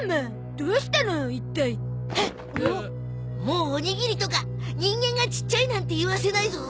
もうおにぎりとか人間がちっちゃいなんて言わせないぞ。